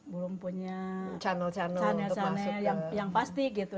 belum punya channel channel yang pasti gitu